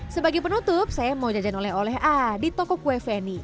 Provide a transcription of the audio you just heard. sebagai penutup saya mau jajan oleh oleh ah di toko kue feni